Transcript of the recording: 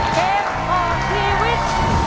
เกมต่อชีวิต